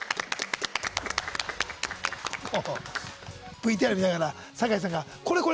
ＶＴＲ見ながら酒井さんがこれこれ！